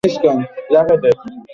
বেড়াল মুখ দিয়েছিল, ফেলে দিয়েছি।